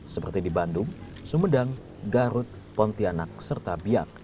seperti di bandung sumedang garut pontianak serta biak